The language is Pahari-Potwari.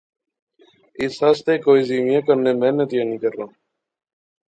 اس آسطے کوئی زیوِیاں کنے محنت ای نی کرنا